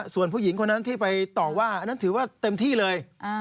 ส่วนผู้หญิงคนนั้นที่ไปต่อว่าอันนั้นถือว่าเต็มที่เลย